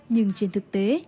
nhưng trên thực tế